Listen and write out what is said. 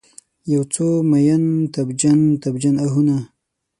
یوڅو میین، تبجن، تبجن آهونه